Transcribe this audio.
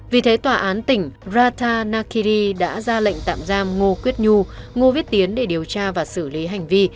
vì thế tòa án tỉnh rata nakiri đã ra lệnh tạm giam ngô quyết nhu ngô viết tiến để điều tra và xử lý hành vi